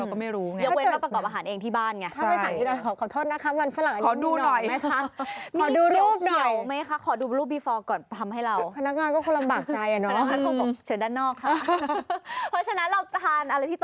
ฟรานสอรัคดีก็อยู่เป็นฟรานสอรัคดี